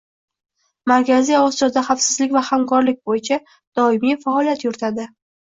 Markaziy Osiyoda xavfsizlik va hamkorlik boʻyicha doimiy faoliyat yuritadi